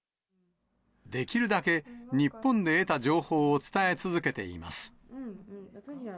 できるだけ日本で得た情報を伝え続けています。